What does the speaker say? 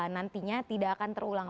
nantinya tidak akan terulang